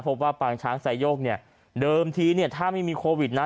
ปางช้างไซโยกเนี่ยเดิมทีเนี่ยถ้าไม่มีโควิดนะ